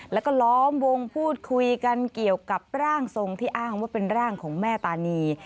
แล้วก็ล้อมวงพูดคุยกันเกี่ยวกับร่างทรงที่อ้างว่าเป็นร่างของแม่ตานี